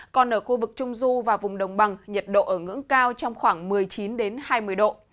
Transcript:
còn ở khu vực trung du và vùng đồng bằng nhiệt độ ở ngưỡng cao trong khoảng một mươi chín hai mươi độ